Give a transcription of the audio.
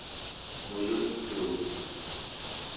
mulutuuk